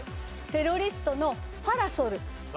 『テロリストのパラソル』。